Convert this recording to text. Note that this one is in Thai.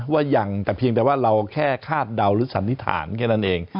ว่ายังแต่เพียงแต่ว่าเราแค่คาดเดาหรือสันนิษฐานแค่นั้นเอง